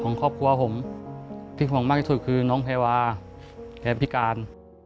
ของครอบครัวของผมที่ผมมากเยอะสุดคือน้องแพวาและพี่การ